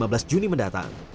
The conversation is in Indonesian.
pas juni mendatang